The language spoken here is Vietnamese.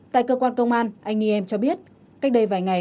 tại cơ quan công an anh y em cho biết cách đây vài ngày